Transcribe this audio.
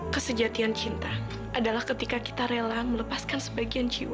kesejatian cinta adalah ketika kita rela melepaskan sebagian jiwa